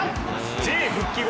Ｊ復帰後